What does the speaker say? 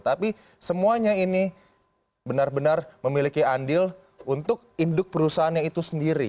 tapi semuanya ini benar benar memiliki andil untuk induk perusahaannya itu sendiri